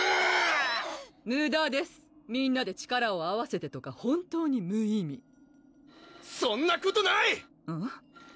むだです「みんなで力を合わせて」とか本当に無意味そんなことない！